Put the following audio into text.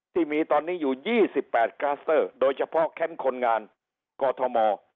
ที่มีตอนนี้อยู่๒๘คลัสเตอร์โดยเฉพาะแคมป์คนงานกอทม